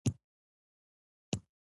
پاولو کویلیو د ژوند او تقدیر مفاهیم څیړلي دي.